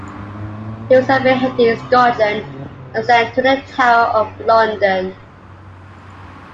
He was apprehended in Scotland and sent to the Tower of London.